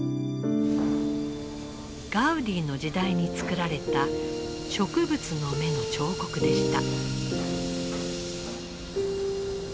ガウディの時代に作られた植物の芽の彫刻でした。